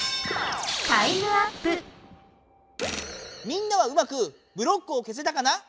みんなはうまくブロックを消せたかな？